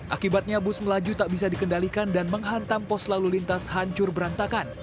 akibatnya bus melaju tak bisa dikendalikan dan menghantam pos lalu lintas hancur berantakan